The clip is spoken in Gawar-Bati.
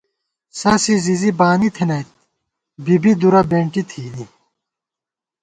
سَسی زِزی بانی تھنَئیت بی بی دُرہ بېنٹی تِھنی